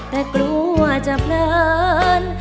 แต่กลัวจะเพลิน